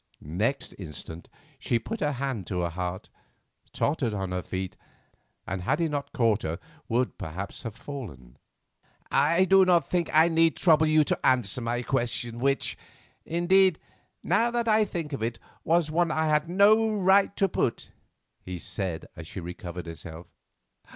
Next instant she put her hand to her heart, tottered on her feet, and had he not caught her would perhaps have fallen. "I do not think I need trouble you to answer my question, which, indeed, now that I think of it, was one I had no right to put," he said as she recovered herself.